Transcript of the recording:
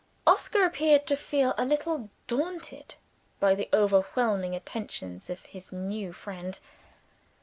Oscar appeared to feel a little daunted by the overwhelming attentions of his new friend.